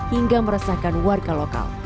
hingga meresahkan warga lokal